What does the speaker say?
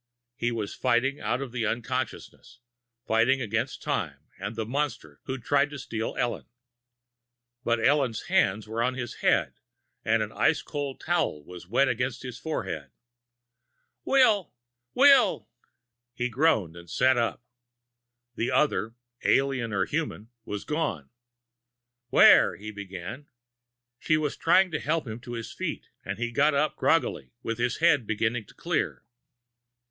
He was fighting out of the unconsciousness, fighting against time and the monster who'd try to steal Ellen. But Ellen's hands were on his head, and an ice cold towel was wet against his forehead. "Will! Will!" He groaned and sat up. The other alien or human was gone. "Where ?" he began. She was trying to help him to his feet, and he got up groggily, with his head beginning to clear.